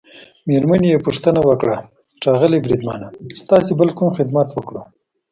مېرمنې يې پوښتنه وکړه: ښاغلی بریدمنه، ستاسي بل کوم خدمت وکړو؟